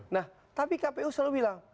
nah tapi kpu selalu bilang